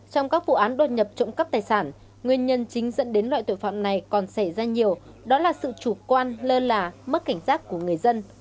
trong các vụ án đột nhập trộm cắp tài sản nguyên nhân chính dẫn đến loại tội phạm này còn xảy ra nhiều đó là sự chủ quan lơ là mất cảnh giác của người dân